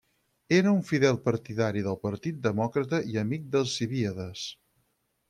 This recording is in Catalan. Era un fidel partidari del partit demòcrata i amic d'Alcibíades.